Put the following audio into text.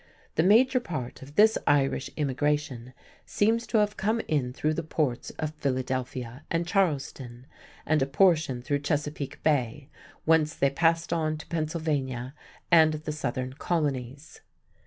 The major part of this Irish immigration seems to have come in through the ports of Philadelphia and Charleston and a portion through Chesapeake Bay, whence they passed on to Pennsylvania and the southern colonies.